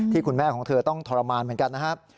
คุณแม่ของเธอต้องทรมานเหมือนกันนะครับ